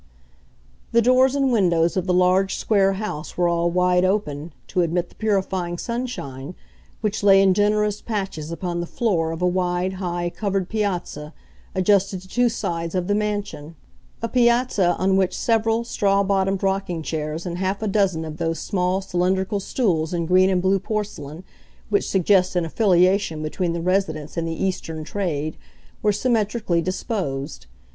The doors and windows of the large square house were all wide open, to admit the purifying sunshine, which lay in generous patches upon the floor of a wide, high, covered piazza adjusted to two sides of the mansion—a piazza on which several straw bottomed rocking chairs and half a dozen of those small cylindrical stools in green and blue porcelain, which suggest an affiliation between the residents and the Eastern trade, were symmetrically disposed.